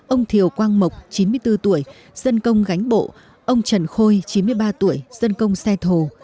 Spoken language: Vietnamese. ông thiều quang mộc chín mươi bốn tuổi dân công gánh bộ ông trần khôi chín mươi ba tuổi dân công xe thù